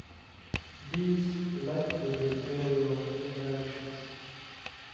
This led to the failure of the elections.